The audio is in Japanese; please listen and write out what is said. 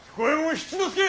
七之助！